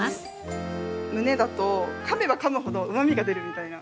胸だとかめばかむほどうまみが出るみたいな。